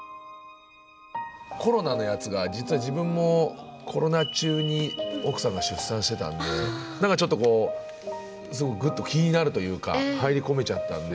コロナのやつが実は自分もコロナ中に奥さんが出産してたんでちょっとこうぐっと気になるというか入り込めちゃったんで。